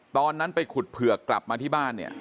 ตอนนั้นไปขุดเผือกกลับมาที่บ้านเนี่ย